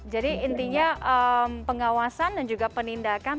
jadi intinya pengawasan dan juga penindakan